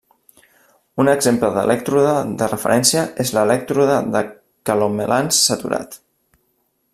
Un exemple d'elèctrode de referència és l'elèctrode de calomelans saturat.